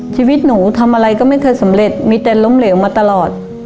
ชีวิตหนูทำอะไรก็ไม่เคยสำเร็จมีแต่ล้มเหลวมาตลอด